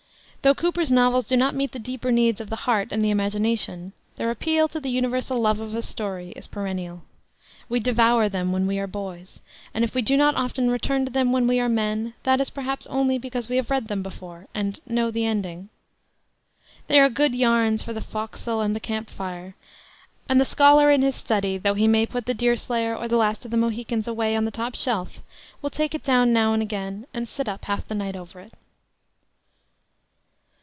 Though Cooper's novels do not meet the deeper needs of the heart and the imagination, their appeal to the universal love of a story is perennial. We devour them when we are boys, and if we do not often return to them when we are men, that is perhaps only because we have read them before, and "know the ending." They are good yarns for the forecastle and the camp fire; and the scholar in his study, though he may put the Deerslayer or the Last of the Mohicans away on the top shelf, will take it down now and again, and sit up half the night over it.